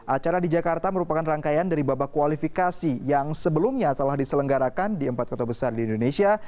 acara di jakarta merupakan rangkaian dari babak kualifikasi yang sebelumnya telah diselenggarakan di empat kota besar di indonesia